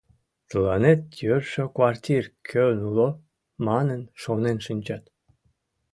«Тыланет йӧршӧ квартир кӧн уло?» манын, шонен шинчат.